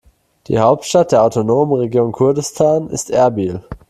Die Hauptstadt der autonomen Region Kurdistan ist Erbil.